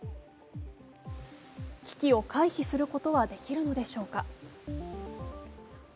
危機を回避することはできるのでしょうか。